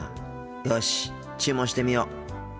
よし注文してみよう。